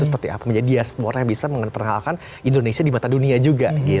seperti apa menjadi diaspora yang bisa mengenalkan indonesia di mata dunia juga